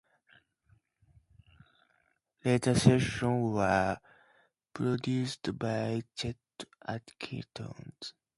Later sessions were produced by Chet Atkins.